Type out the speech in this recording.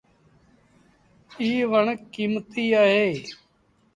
ايٚ وڻ ڪيٚمتيٚ اهي۔